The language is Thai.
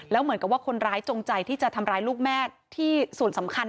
แล้วเหมือนกับว่าคนร้ายจงใจที่จะทำร้ายลูกแม่ที่ส่วนสำคัญ